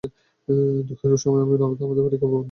দুঃখের সময় আমি থামতে পারি নে– কাব্য আপনি বেরোতে থাকে।